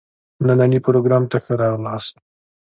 نني پروګرام ته ښه راغلاست.